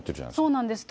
そうなんです。